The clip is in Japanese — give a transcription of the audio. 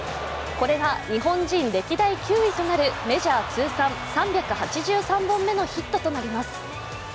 これが日本人歴代９位となるメジャー通算３８３本目のヒットとなります。